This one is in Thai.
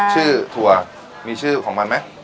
ถั่วมีชื่อของมันไหม